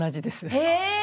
へえ！